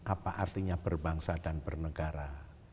apa artinya berbangsa dan bernegara